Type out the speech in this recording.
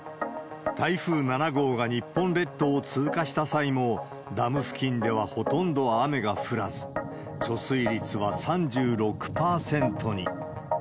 台風７号が日本列島を通過した際も、ダム付近ではほとんど雨が降らず、貯水率は３６％に。